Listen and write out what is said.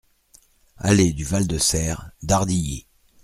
Allée du Val de Serres, Dardilly